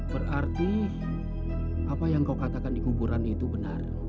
berarti apa yang kau katakan di kuburan itu benar